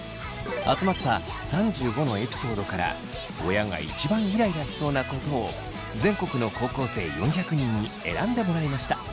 集まった３５のエピソードから親が一番イライラしそうなことを全国の高校生４００人に選んでもらいました。